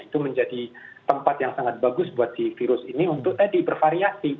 itu menjadi tempat yang sangat bagus buat virus ini untuk dipervariasi